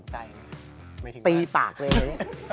หรือว่าดูสนใจ